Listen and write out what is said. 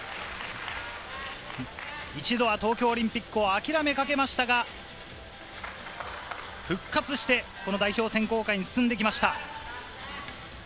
一度は東京オリンピックを諦めかけましたが、復活してこの代表選考会に進んできました。